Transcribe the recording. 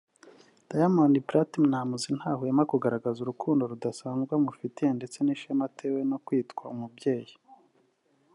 Diamond Platnumz ntahwema kugaragaza urukundo rudasanzwe amufitiye ndetse n’ishema atewe no kwitwa umubyeyi